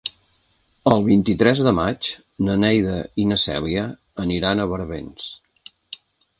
El vint-i-tres de maig na Neida i na Cèlia aniran a Barbens.